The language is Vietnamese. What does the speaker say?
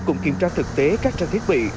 cùng kiểm tra thực tế các trang thiết bị